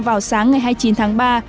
vào sáng ngày hai mươi chín tháng ba